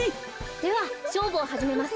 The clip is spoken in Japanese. ではしょうぶをはじめます。